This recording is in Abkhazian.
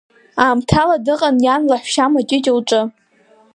Аамҭала дыҟан иан лаҳәшьа Мыҷыҷ лҿы.